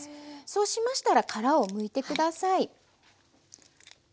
そうしましたら殻をむいて下さい。